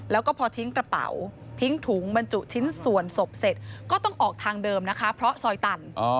แล้วก็พอทิ้งกระเป๋าทิ้งถุงบรรจุชิ้นส่วนศพเสร็จก็ต้องออกทางเดิมนะคะเพราะซอยตัน